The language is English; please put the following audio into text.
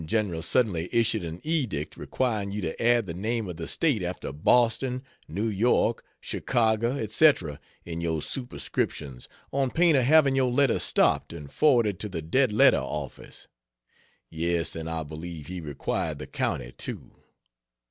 General suddenly issued an edict requiring you to add the name of the State after Boston, New York, Chicago, &c, in your superscriptions, on pain of having your letter stopped and forwarded to the dead letter office; yes, and I believe he required the county, too.